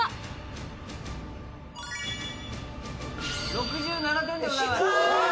６７点でございます。